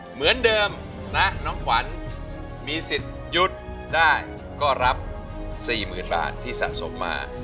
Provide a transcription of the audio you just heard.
เหมือนเดิมนะน้องขวัญมีสิทธิ์หยุดได้ก็รับ๔๐๐๐บาทที่สะสมมา